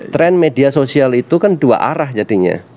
tren media sosial itu kan dua arah jadinya